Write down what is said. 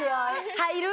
入る？